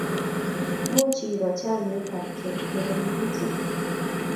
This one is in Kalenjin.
Much iro chamet ab kei nebo minutik